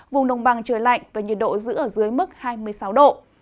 vùng đồng bằng trời lạnh và nhiệt độ giữ ở dưới mức hai mươi sáu độ